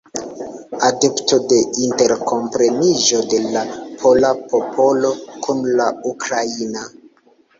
Adepto de interkompreniĝo de la pola popolo kun la ukraina.